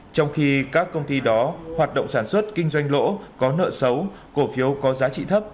trong khi các công ty đó hoạt động sản xuất kinh doanh lỗ có nợ xấu cổ phiếu có giá trị thấp